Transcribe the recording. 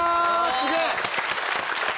すげえ！